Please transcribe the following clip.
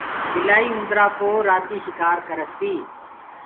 ٻلآئيٚ اُوندرآ ڪو رآتي شِڪآر ڪرسي۔